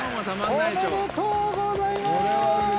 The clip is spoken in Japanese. おめでとうございます！